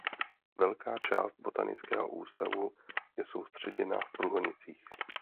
Velká část Botanického ústavu je soustředěna v Průhonicích.